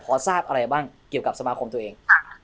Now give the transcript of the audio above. พอทราบอะไรบ้างเกี่ยวกับสมาคมตัวเอง